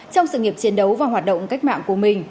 trong sự nghiệp chiến đấu và hoạt động cách mạng của mình